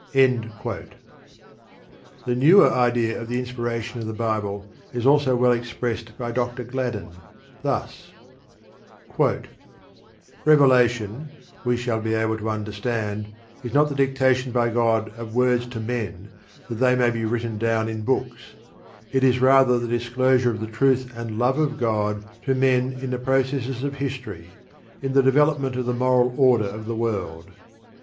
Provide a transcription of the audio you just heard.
The newer idea of the inspiration of the Bible is also well expressed by Dr. Gladden; thus: Revelation, we shall be able to understand, is not the dictation by God of words to men that they may be written down in books: it is rather the disclosure of the truth and love of God to men in the processes of history, in the development of the moral order of the world.